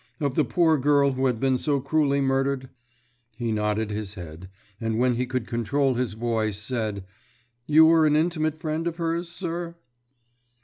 "Of the poor girl who has been so cruelly murdered?" He nodded his head, and, when he could control his voice, said, "You were an intimate friend of hers, sir?"